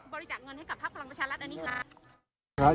รับบริจาคเงินให้กับภักดิ์พลังประชารัฐอันนี้ครับ